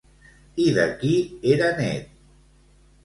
I de qui era net?